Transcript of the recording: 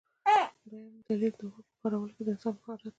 دویم دلیل د اور په کارولو کې د انسان مهارت و.